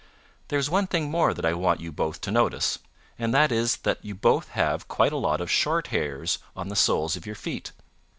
There is one thing more that I want you both to notice, and that is that you both have quite a lot of short hairs on the soles of you feet.